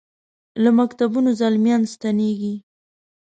له مکتبونو زلمیا ن ستنیږي